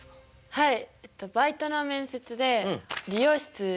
はい。